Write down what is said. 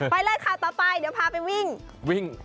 ไปเลยค่ะต่อไปเดี๋ยวพาไปวิ่ง